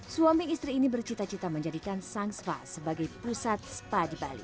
suami istri ini bercita cita menjadikan sang spa sebagai pusat spa di bali